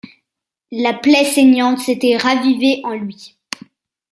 La plaie saignante s’était ravivée en lui.